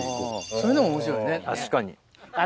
そういうのも面白いね。